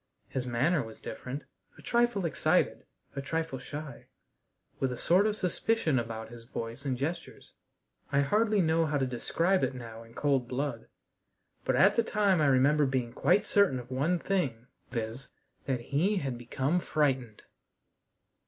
His manner was different a trifle excited, a trifle shy, with a sort of suspicion about his voice and gestures. I hardly know how to describe it now in cold blood, but at the time I remember being quite certain of one thing, viz., that he had become frightened!